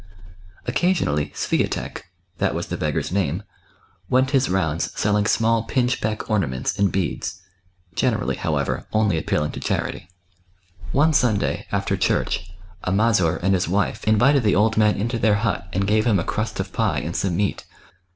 Occasionally Swiatek — that was the beggar's name, went his rounds selling small pinchbeck ornaments and beads ; generally, however, only appealing to charity. One Sunday, after church, a Mazur and his wife invited the old man into their hut and gave him a crust of pie and some meat.